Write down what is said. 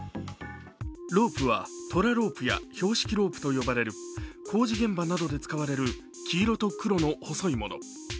ロープはトラロープや標識ロープと呼ばれる工事現場などで使われる黄色と黒の細いもの。